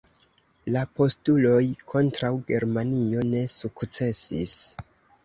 La postuloj kontraŭ Germanio ne sukcesis.